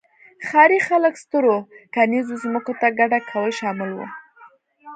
ښاري خلک سترو کرنیزو ځمکو ته کډه کول شامل وو